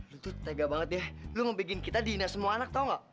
lu tuh tega banget ya lu mau bikin kita dihina semua anak tau ga